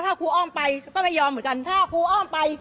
ถ้าครูอ้อมไปก็ไม่ยอมเหมือนกันถ้าครูอ้อมไป